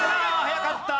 よかった。